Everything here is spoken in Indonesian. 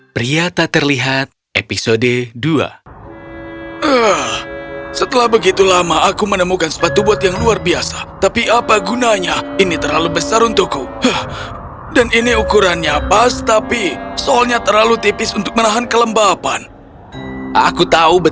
pria tak terlihat episode dua